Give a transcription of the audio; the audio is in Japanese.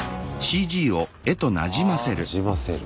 なじませる。